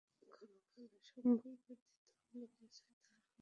ক্ষণকালের সম্ভোগ ব্যতীত অন্য কিছুতেই তাহারা বিশ্বাস করিত না।